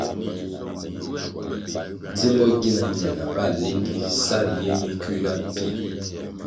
Djimbo gina ñana bal lendi sa riye ye kuiga pia.